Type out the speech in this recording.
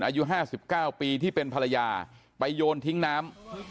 อายุห้าสิบเก้าปีที่เป็นภรรยาไปโยนทิ้งน้ำ